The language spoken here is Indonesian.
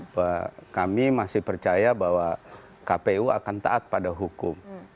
bahwa kami masih percaya bahwa kpu akan taat pada hukum